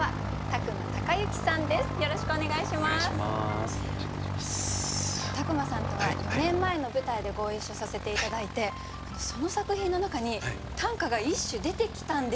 宅間さんとは４年前の舞台でご一緒させて頂いてその作品の中に短歌が１首出てきたんですよ。